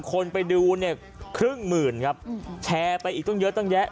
คนไปดูเนี่ยครึ่งหมื่นครับแชร์ไปอีกตั้งเยอะตั้งแยะ